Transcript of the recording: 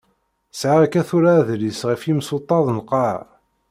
Sεiɣ akka tura adlis ɣef yimsuṭṭaḍ n lqaεa.